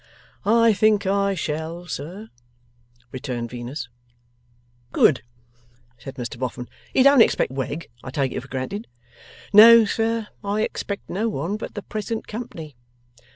'I think I shall, sir,' returned Venus. 'Good,' said Mr Boffin. 'You don't expect Wegg, I take it for granted?' 'No, sir. I expect no one but the present company.